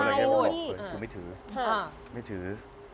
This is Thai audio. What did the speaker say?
ยังไม่ถือ